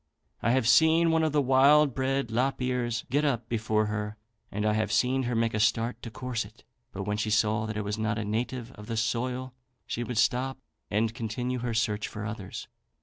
I have seen one of the wild bred lop ears get up before her, and I have seen her make a start to course it; but when she saw that it was not a native of the soil she would stop and continue her search for others.